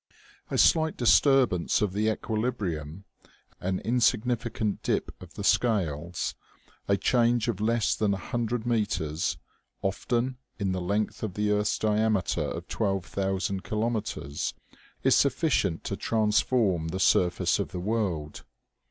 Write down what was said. A slight disturbance of the equilibrium, an in significant dip of the scales, a change of less than a hun dred meters, often, in the length of the earth's diameter of twelve thousand kilometers, is sufficient to transform the surface of the world.